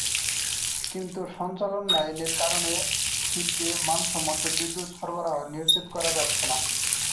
কিন্তু সঞ্চালন লাইনের কারণে শিল্পে মানসম্মত বিদ্যুৎ সরবরাহ নিশ্চিত করা যাচ্ছে না।